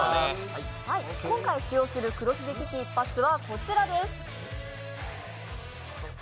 今回、使用する「黒ひげ危機一発」はこちらです。